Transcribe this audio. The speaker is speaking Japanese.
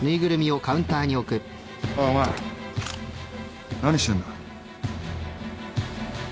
おいお前何してんだ？